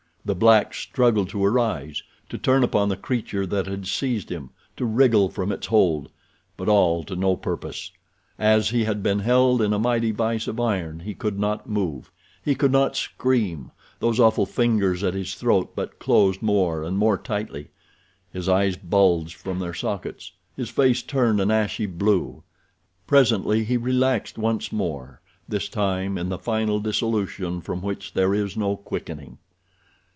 The black struggled to arise—to turn upon the creature that had seized him—to wriggle from its hold; but all to no purpose. As he had been held in a mighty vise of iron he could not move. He could not scream. Those awful fingers at his throat but closed more and more tightly. His eyes bulged from their sockets. His face turned an ashy blue. Presently he relaxed once more—this time in the final dissolution from which there is no quickening.